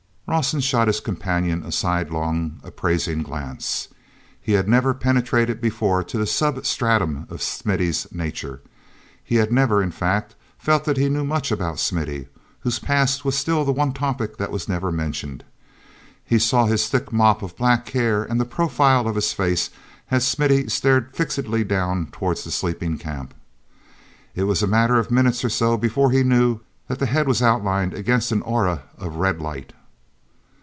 Rawson shot his companion a sidelong, appraising glance. He had never penetrated before to this sub stratum of Smithy's nature. He had never, in fact, felt that he knew much about Smithy, whose past was still the one topic that was never mentioned. He saw his thick mop of black hair and the profile of his face as Smithy stared fixedly down toward the sleeping camp. It was a matter of a minute or so before he knew that the head was outlined against an aura of red light.